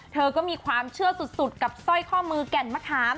เธอก็มีความเชื่อสุดกับสร้อยข้อมือแก่นมะขาม